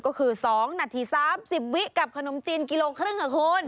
ก็คือ๒นาที๓๐วิกับขนมจีนกิโลครึ่งค่ะคุณ